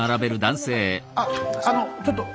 ああのちょっと。